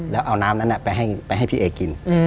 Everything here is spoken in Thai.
แล้วเอาน้ำนั้นไปให้พี่เอกิน